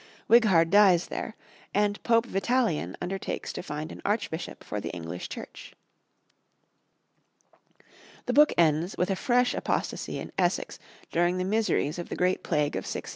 Wighard dies there, and Pope Vitalian undertakes to find an archbishop for the English Church. The book ends with a fresh apostasy in Essex during the miseries of the great plague of 664.